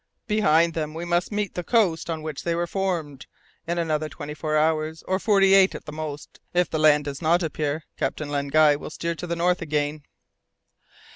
Behind them we must meet the coast on which they were formed. In another twenty four hours, or forty eight at the most, if the land does not appear, Captain Len Guy will steer to the north again!"